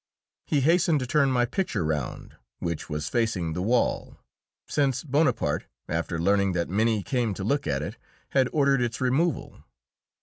He hastened to turn my picture round, which was facing the wall, since Bonaparte, after learning that many came to look at it, had ordered its removal.